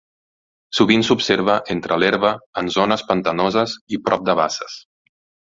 Sovint s'observa entre l'herba en zones pantanoses i prop de basses.